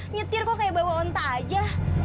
nyetir kok kayak bawa onta aja